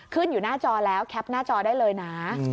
อยู่หน้าจอแล้วแคปหน้าจอได้เลยนะ